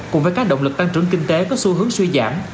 cùng với các động lực tăng trưởng kinh tế có xu hướng suy giảm